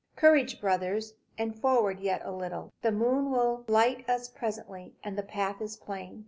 "Courage, brothers, and forward yet a little! The moon will light us presently, and the path is plain.